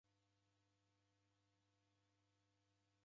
Wapotua vindo